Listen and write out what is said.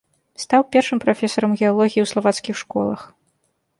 Стаў першым прафесарам геалогіі ў славацкіх школах.